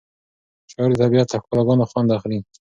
شاعر د طبیعت له ښکلاګانو خوند اخلي.